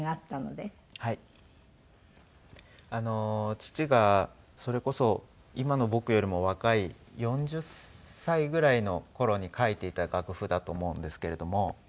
父がそれこそ今の僕よりも若い４０歳ぐらいの頃に書いていた楽譜だと思うんですけれども。